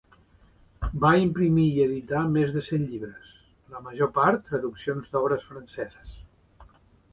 Va imprimir i editar més de cent llibres, la major part traduccions d'obres franceses.